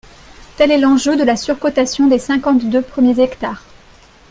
Tel est l’enjeu de la surcotation des cinquante-deux premiers hectares